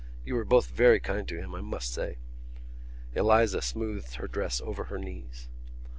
You were both very kind to him, I must say." Eliza smoothed her dress over her knees.